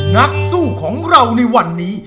นักสู้ของเราในวันนี้